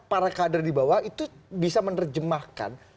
para kader di bawah itu bisa menerjemahkan